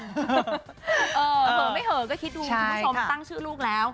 เหอะไม่เหอะก็คิดดูคุณผู้ชมตั้งชื่อลูกแล้ว